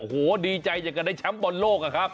โหดีใจอย่างกันได้แชมป์บนโลกอ่ะครับ